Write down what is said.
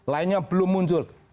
lainnya belum muncul